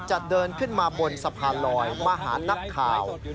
จะเดินขึ้นมาบนสะพานลอยมาหานักข่าว